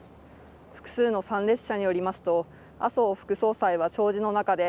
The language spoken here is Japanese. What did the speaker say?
複数の参列者によりますと、麻生副総裁は弔辞の中で